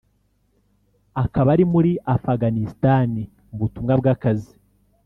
akaba ari muri Afghanistan mu butumwa bw’akazi